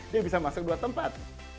dia bisa masuk dua tempat